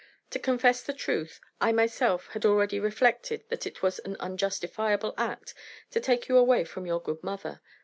To confess the truth, I myself had already reflected that it was an unjustifiable act to take you away from your good mother.